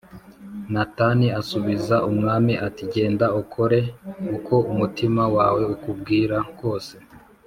Natani asubiza umwami ati “Genda ukore uko umutima wawe ukubwira kose